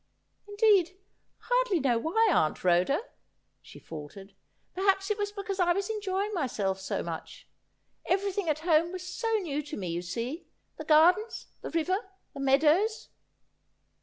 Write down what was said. ' Indeed, I hardly know why, Aunt Rhoda,' she faltered ;' per haps it was because I was enjoying myself so much. Everything at home was so new to me, you see — the gardens, the river, the meadows.'